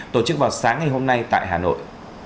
tổ chức vào sáng ngày hôm nay tại hà nội